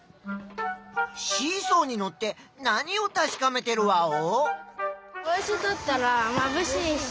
シーソーにのって何をたしかめてるワオ？